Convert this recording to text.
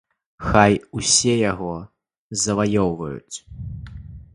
Хай усе яго заваёўваюць.